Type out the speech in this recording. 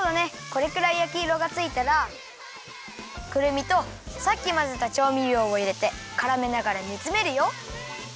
これくらいやきいろがついたらくるみとさっきまぜたちょうみりょうをいれてからめながらにつめるよ。